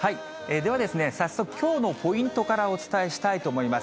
では、早速、きょうのポイントからお伝えしたいと思います。